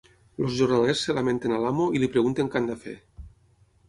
Els jornalers es lamenten a l'amo i li pregunten què han de fer.